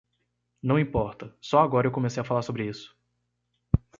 Não importa, só agora eu comecei a falar sobre isso.